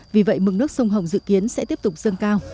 vì vậy mực nước sông hồng dự kiến sẽ tiếp tục dâng cao